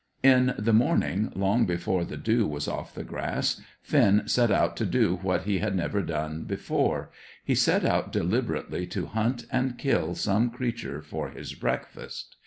In the morning, long before the dew was off the grass, Finn set out to do what he had never done a before: he set out deliberately to hunt and kill some creature for his breakfast.